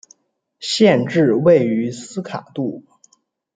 县治位于斯卡杜。